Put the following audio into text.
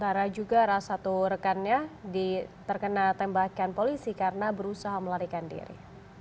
karena juga salah satu rekannya terkena tembakan polisi karena berusaha melarikan diri